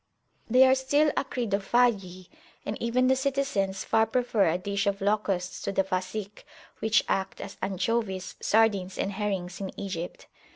They are still acridophagi, and even the citizens far prefer a dish of locusts to the Fasikh, which act as anchovies, sardines, and herrings in Egypt.